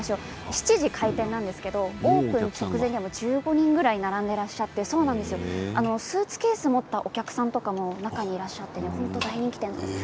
７時開店なんですけれどもオープン直前でも１５人ぐらい並んでいらっしゃってスーツケースを持ったお客さんとかも中にいらっしゃって本当に大人気です。